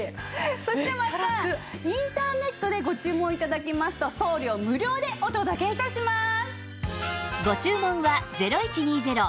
そしてまたインターネットでご注文頂きますと送料無料でお届け致します。